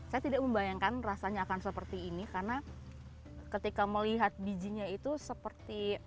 saya tidak membayangkan rasanya akan seperti ini karena ketika melihat bijinya itu seperti